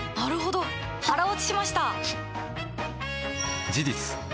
腹落ちしました！